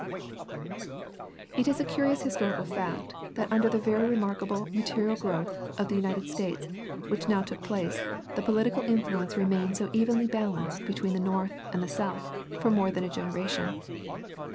] It is a curious historical fact, that under the very remarkable material growth of the United States which now took place, the political influence remained so evenly balanced between the North and the South for more than a generation.